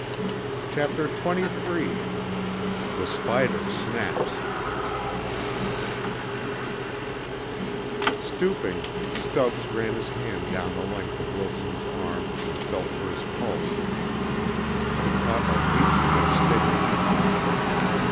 CHAPTER XXIII The Spider Snaps Stooping, Stubbs ran his hand down the length of Wilson's arm and felt for his pulse. He caught a weak but steady beat.